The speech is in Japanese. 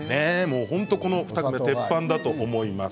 本当にこの２つ鉄板だと思います。